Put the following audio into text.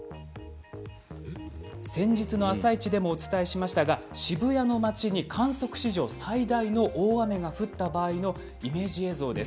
先日の「あさイチ」でもお伝えしましたが渋谷の街に観測史上最大の大雨が降った場合のイメージ映像です。